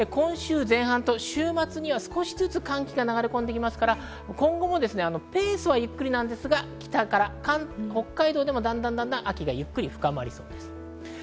週末には少しずつ寒気が流れ込んできますから、ペースはゆっくりですが、北海道でもだんだん秋がゆっくり深まりそうです。